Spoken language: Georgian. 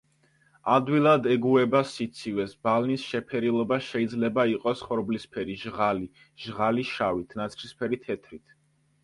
ადვილად ეგუება სიცივეს, ბალნის შეფერილობა შეიძლება იყოს ხორბლისფერი, ჟღალი, ჟღალი შავით, ნაცრისფერი თეთრით.